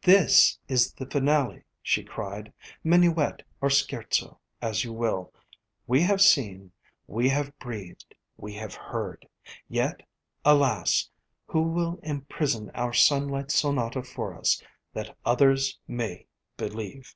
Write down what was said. "This is the finale," she cried. "Minuet or Scherzo, as you will. We have seen, we have breathed, we have heard! Yet, alas! who will imprison our Sunlight Sonata for us, that others may believe